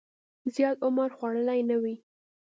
زیات عمر خوړلی نه وي.